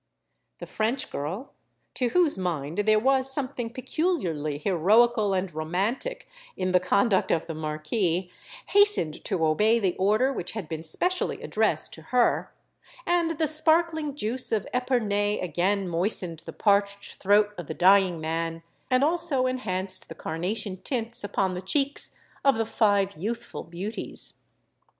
The French girl—to whose mind there was something peculiarly heroical and romantic in the conduct of the Marquis—hastened to obey the order which had been specially addressed to her; and the sparkling juice of Epernay again moistened the parched throat of the dying man, and also enhanced the carnation tints upon the cheeks of the five youthful beauties.